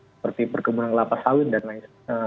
seperti perkebunan kelapa sawit dan lain sebagainya